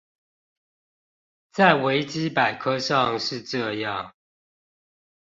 在維基百科上是這樣